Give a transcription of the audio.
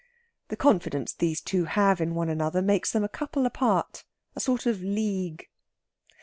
The confidence these two have in one another makes them a couple apart a sort of league.